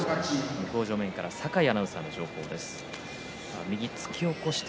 向正面から酒井アナウンサーの情報です。